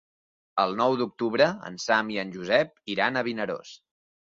El nou d'octubre en Sam i en Josep iran a Vinaròs.